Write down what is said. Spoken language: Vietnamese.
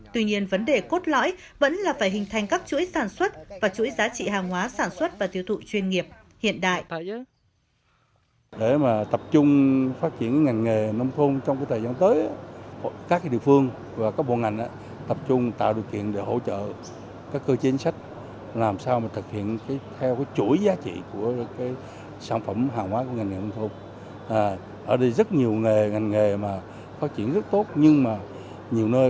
tuy nhiên vấn đề cốt lõi vẫn là phải hình thành các chuỗi sản xuất và chuỗi giá trị hàng hóa sản xuất và tiêu thụ chuyên nghiệp hiện đại